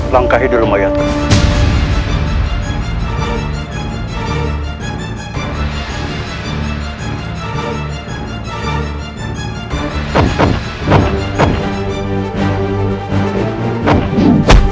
langkah hidup mayatku